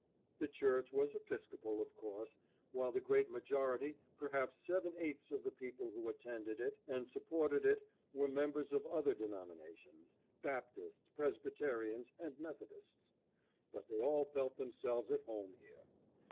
The church was Episcopal, of course, while the great majority, perhaps seven eighths of the people who attended it and supported it were members of other denominations Baptists, Presbyterians, and Methodists. But they all felt themselves at home here.